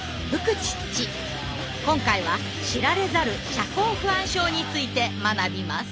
今回は知られざる「社交不安症」について学びます。